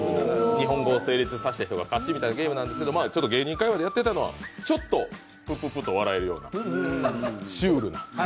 日本語を成立させた人が勝ちというようなゲームでちょっと芸人界わいでやっていたのはちょっとクククッと笑えるようなシュールな。